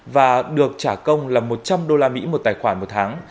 và được trả công là một trăm linh usd một tài khoản một tháng